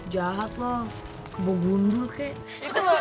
jahat loh kebobundul kayaknya